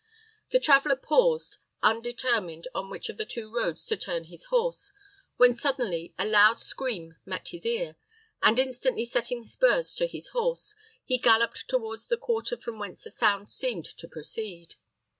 The traveller paused, undetermined on which of the two roads to turn his horse, when suddenly a loud scream met his ear, and, instantly setting spurs to his horse, he galloped towards the quarter from whence the sound seemed to proceed.